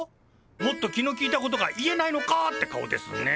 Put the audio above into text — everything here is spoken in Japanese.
もっと気の利いた事が言えないのかって顔ですね。